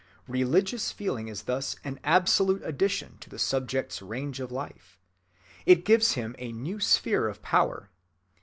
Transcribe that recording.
Religious feeling is thus an absolute addition to the Subject's range of life. It gives him a new sphere of power.